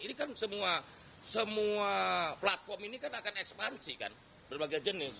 ini kan semua platform ini kan akan ekspansi kan berbagai jenis